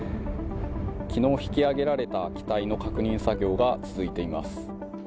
昨日、引き揚げられた機体の確認作業が続いています。